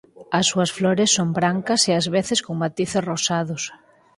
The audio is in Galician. As súas flores son brancas e ás veces con matices rosados.